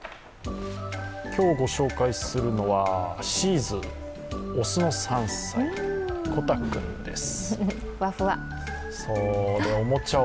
今日御紹介するのはシーズ、雄の３歳こた君です。